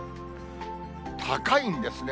高いんですね。